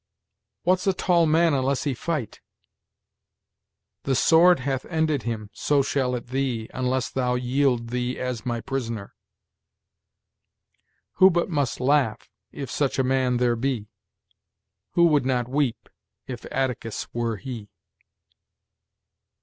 "'What's a tall man unless he fight?' "'The sword hath ended him: so shall it thee, Unless thou yield thee as my prisoner.' "'Who but must laugh, if such a man there be? Who would not weep, if Atticus were he?'